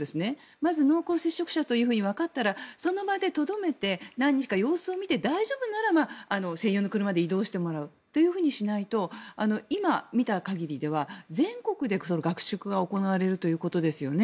まず、濃厚接触者とわかったらその場でとどめて何日か様子を見て大丈夫なら、専用の車で移動してもらうというふうにしないと今、見た限りでは全国で合宿が行われるということですよね。